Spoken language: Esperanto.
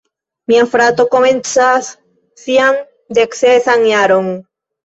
Mia frato komencas sian deksesan jaron.